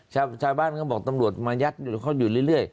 ชาวบ้านก็บอกตำรวจมายัดอยู่เขาอยู่เรื่อย